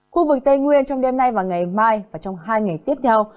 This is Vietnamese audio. khu vực tây nguyên trong đêm nay và ngày mai và trong hai ngày tiếp theo